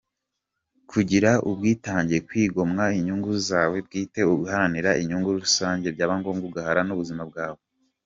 Kugira ubwitange- Kwigomwa inyungu zawe bwite uharanira inyungu rusangebyaba ngombwa ugahara ubuzima bwawe.